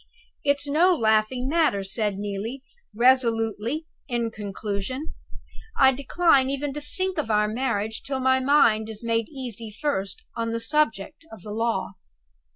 "It's no laughing matter," said Neelie, resolutely, in conclusion; "I decline even to think of our marriage till my mind is made easy first on the subject of the Law."